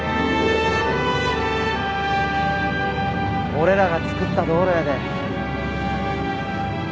俺らが造った道路やで。